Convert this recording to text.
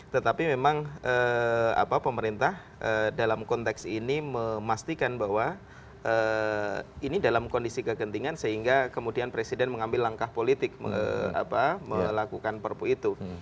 tetapi memang pemerintah dalam konteks ini memastikan bahwa ini dalam kondisi kegentingan sehingga kemudian presiden mengambil langkah politik melakukan perpu itu